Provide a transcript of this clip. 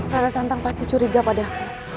rana santang pasti curiga padaku